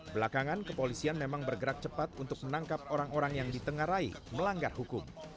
belakangan kepolisian memang bergerak cepat untuk menangkap orang orang yang ditengarai melanggar hukum